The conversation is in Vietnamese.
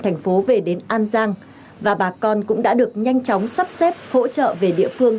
thành phố về đến an giang và bà con cũng đã được nhanh chóng sắp xếp hỗ trợ về địa phương